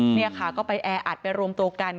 นี่ค่ะก็ไปแออัดไปรวมตัวกัน